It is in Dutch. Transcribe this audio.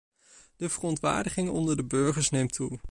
De verontwaardiging onder de burgers neemt toe.